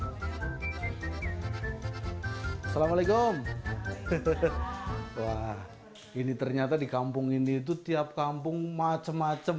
assalamualaikum wah ini ternyata di kampung ini itu tiap kampung macem macem